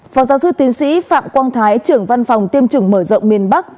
phó giáo sư tiến sĩ phạm quang thái trưởng văn phòng tiêm chủng mở rộng miền bắc